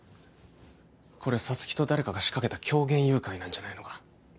これ沙月と誰かが仕掛けた狂言誘拐なんじゃないのか？